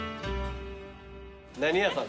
何屋さん？